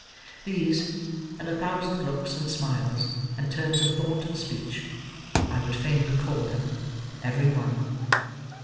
These, and a thousand looks and smiles, and turns of thought and speech—I would fain recall them every one.